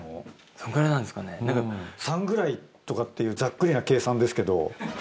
そんくらいなんですかね。とかっていうざっくりな計算ですけど。